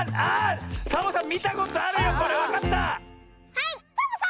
はいサボさん！